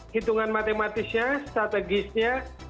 hitungan matematisnya strategisnya